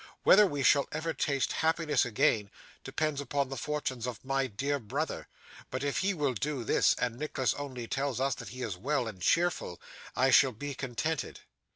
Whether we shall ever taste happiness again, depends upon the fortunes of my dear brother; but if he will do this, and Nicholas only tells us that he is well and cheerful, I shall be contented.